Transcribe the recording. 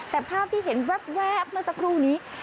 แต่ภาพที่เห็นแว๊บเมื่อสักครู่นี้